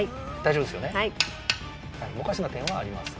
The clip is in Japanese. おかしな点はありません。